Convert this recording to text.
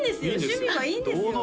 趣味はいいんですよ